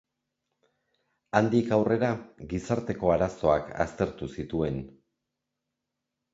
Handik aurrera gizarteko arazoak aztertu zituen.